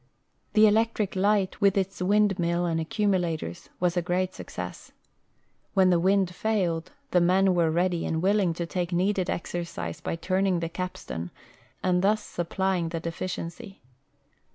The electric light, Avith its Avindmill and accumulators^ Avas a great success. When the Avind failed, the men Avere ready and Avilling to take needed exercise by turning the ca[)stan, and thus supplying the deficiency.